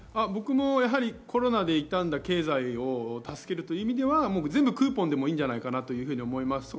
コロナで痛んだ経済を助けるという意味では全部クーポンでもいいんじゃないかなと思います。